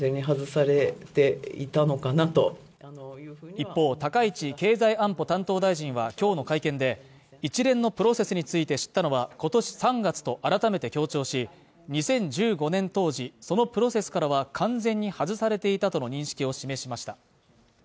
一方高市経済安保担当大臣は今日の会見で、一連のプロセスについて知ったのは今年３月と改めて強調し、２０１５年当時、そのプロセスからは完全に外されていたとの認識を示しました。